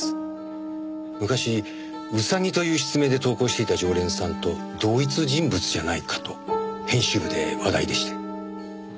昔「ウサギ」という筆名で投稿していた常連さんと同一人物じゃないかと編集部で話題でして。